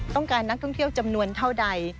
ต้องการนักท่องเที่ยวจำนวนเท่าใด